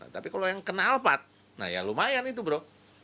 tapi kalau yang kenal pat nah ya lumayan itu bro